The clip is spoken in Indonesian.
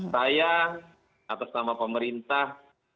saya atas nama pemerintah